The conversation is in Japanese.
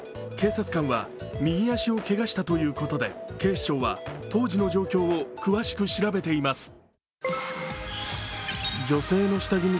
警察官は右足をけがしたということで警視庁は当時の状況を詳しく調べています。